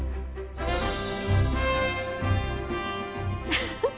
フフフ。